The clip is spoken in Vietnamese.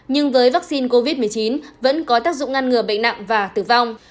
nhưng với vaccine covid một mươi chín vẫn có tác dụng ngăn ngừa bệnh nặng và tử vong